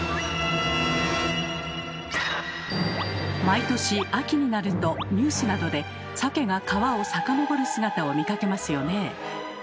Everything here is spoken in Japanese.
毎年秋になるとニュースなどでサケが川を遡る姿を見かけますよね。